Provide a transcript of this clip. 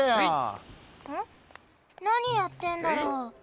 なにやってんだろ？